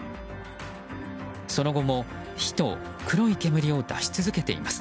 その後も火と黒い煙を出し続けています。